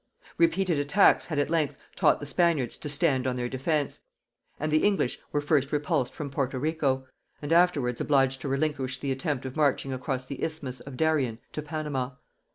Repeated attacks had at length taught the Spaniards to stand on their defence; and the English were first repulsed from Porto Rico, and afterwards obliged to relinquish the attempt of marching across the isthmus of Darien to Panama.